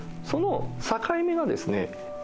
その境目なんですね。